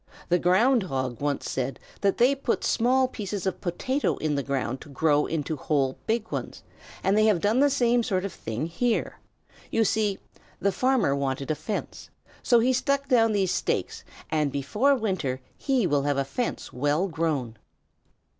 The Ground Hog once said that they put small pieces of potato into the ground to grow into whole big ones, and they have done the same sort of thing here. You see, the farmer wanted a fence, and so he stuck down these stakes, and before winter he will have a fence well grown."